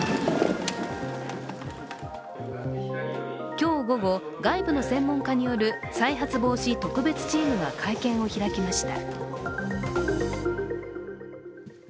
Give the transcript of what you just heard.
今日午後、外部の専門家による再発防止特別チームが会見を開きました。